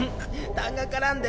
たんが絡んで。